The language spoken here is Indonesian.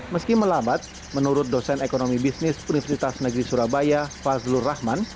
meski melambat menurut dosen ekonomi bisnis universitas negeri surabaya fazlur rahman